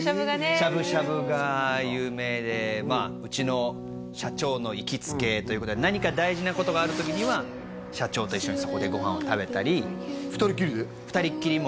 しゃぶしゃぶが有名でまあうちの社長の行きつけということで何か大事なことがある時には社長と一緒にそこでご飯を食べたり２人っきりで？